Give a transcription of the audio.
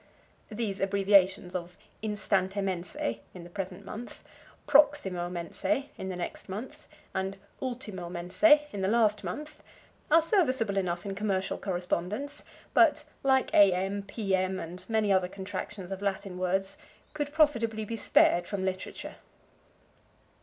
_ These abbreviations of instante mense (in the present month), proximo mense (in the next month) and ultimo mense (in the last month), are serviceable enough in commercial correspondence, but, like A.M., P.M. and many other contractions of Latin words, could profitably be spared from literature.